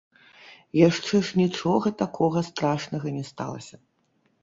Яшчэ ж нічога такога страшнага не сталася.